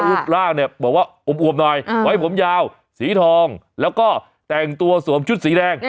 รูปร่างเนี่ยบอกว่าอวมหน่อยไว้ผมยาวสีทองแล้วก็แต่งตัวสวมชุดสีแดง